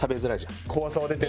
怖さは出てる。